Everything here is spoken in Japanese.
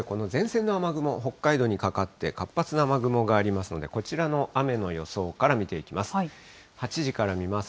その前に、一方でこの前線の雨雲、北海道にかかって、活発な雨雲がありますので、こちらの雨の予想から見ていきます。